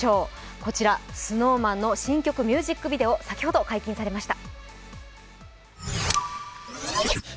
こちらＳｎｏｗＭａｎの新曲ミュージックビデオ、先ほど解禁されました。